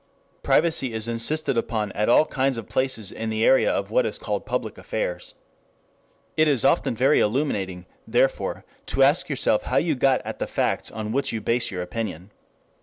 Privacy is insisted upon at all kinds of places in the area of what is called public affairs. It is often very illuminating, therefore, to ask yourself how you got at the facts on which you base your opinion.